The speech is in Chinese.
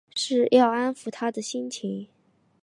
要安抚她的心情